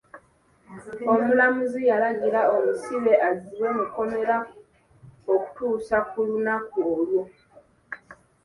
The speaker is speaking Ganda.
Omulamuzi yalagira omusibe azzibwe mu kkomera okutuusa ku lunaku olwo.